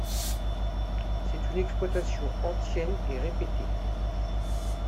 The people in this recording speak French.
C'est une exploitation ancienne et répétée.